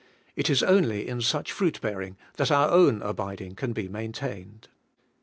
It is only in such fruit bearing that our own abiding can be maintained.